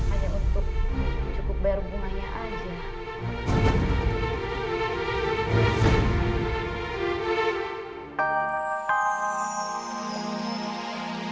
hanya untuk cukup bayar bunganya aja